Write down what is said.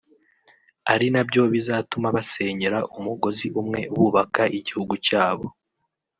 ari nabyo bizatuma basenyera umugozi umwe bubaka igihugu cyabo